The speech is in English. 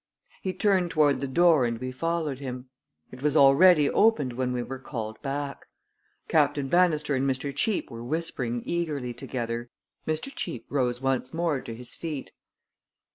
He turned toward the door and we followed him. It was already opened when we were called back. Captain Bannister and Mr. Cheape were whispering eagerly together. Mr. Cheape rose once more to his feet.